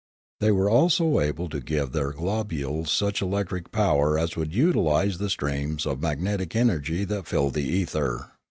They were also able to give their globules such electric power as would utilise the streams of magnetic energy that filled the ether.